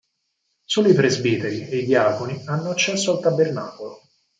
Solo i presbiteri, e i diaconi hanno accesso al tabernacolo.